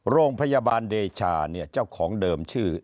โรงพยาบาลเดชาเนี่ยเจ้าของเดิมชื่อ